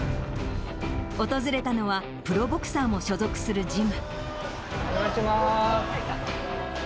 訪れたのは、プロボクサーも所属するジム。